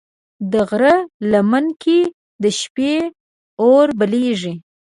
د غره لمن کې د شپې اور بلېږي.